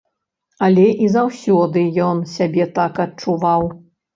Але і заўсёды ён сябе так адчуваў.